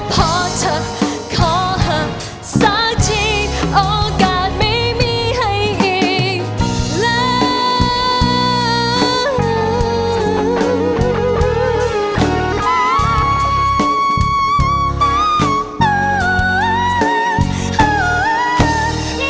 พอเธอขอหักสักทีโอกาสไม่มีให้อีกแล้ว